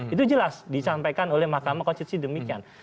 itu jelas disampaikan oleh mahkamah konstitusi demikian